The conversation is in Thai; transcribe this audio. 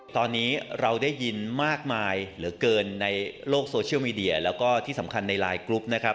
ตอนนี้เราได้ยินมากมายเหลือเกินในโลกโซเชียลมีเดียแล้วก็ที่สำคัญในไลน์กรุ๊ปนะครับ